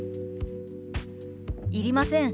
「いりません。